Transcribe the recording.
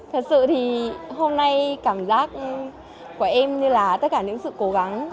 thật sự thì hôm nay cảm giác của em như là tất cả những sự cố gắng